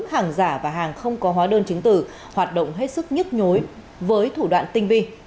hàng giả và hàng không có hóa đơn chứng tử hoạt động hết sức nhức nhối với thủ đoạn tinh vi